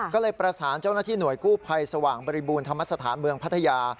ก็เลยประสานเจ้าหน้าที่หน่วยกู้ภัยสว่างบริบูรณธรรมสถานเมืองพัทยา